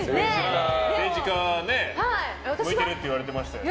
政治家、向いてるって言われてましたね。